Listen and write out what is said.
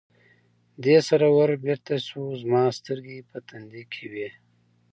دې سره ور بېرته شو، زما سترګې په تندي کې وې.